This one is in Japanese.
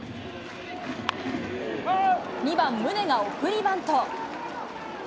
２番宗が送りバント。